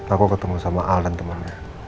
aku ketemu sama al dan temannya